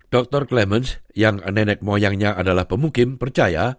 dr clemens yang nenek moyangnya adalah pemugim percaya